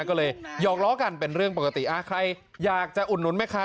ก่อนนี้นะก็เลยหยอกล้อกันเป็นเรื่องปกติใครอยากจะอุดนุนไหมคะ